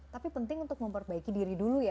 tapi penting untuk memperbaiki diri dulu ya